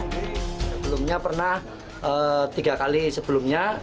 sebelumnya pernah tiga kali sebelumnya